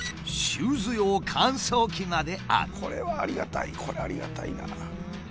これはありがたいこれありがたいな。